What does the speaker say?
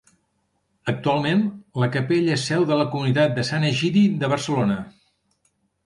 Actualment, la capella és seu de la comunitat de Sant Egidi de Barcelona.